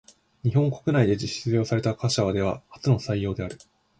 日本国内で実用された貨車では初の採用である。